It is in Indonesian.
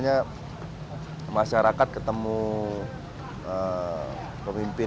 nah karyanya ada orang orang bengkak kan